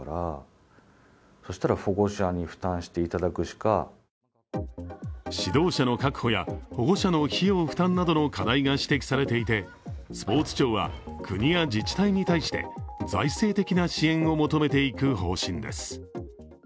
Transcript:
一方で、こんな課題も指導者の確保や保護者の費用負担などの課題が指摘されていて、スポーツ庁は国や自治体に対して財政的な支援を求めていく方針です。